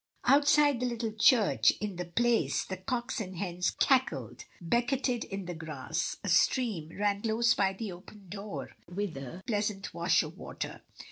Outside the little church, in the Place, the cocks and hens cackled, becketed in the grass; a stream ran close by the opened door with a pleasant wash of water.